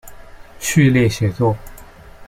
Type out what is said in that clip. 序列写作。